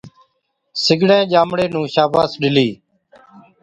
سِگڙَين ڄامڙي نُون گھڻِي شاباش ڏِلِي۔